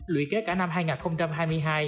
lụy kế cả năm hai nghìn hai mươi hai